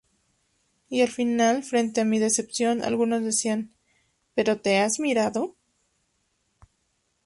Y al final, frente a mi decepción, algunos decían: “¿Pero te has mirado?